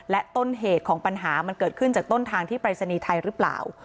และต้นเหตุของปัญหามันเกิดขึ้นจากต้นทางที่ปรายศนีย์ไทยหรือเปล่า